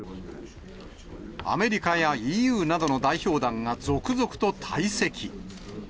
アメリカやＥＵなどの代表団が続々と退席。